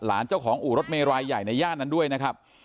เจ้าของอู่รถเมย์รายใหญ่ในย่านนั้นด้วยนะครับ